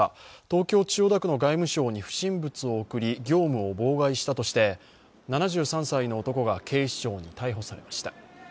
東京・千代田区の外務省に不審物を送り業務を妨害したとして７３歳の男が警視庁に逮捕されました。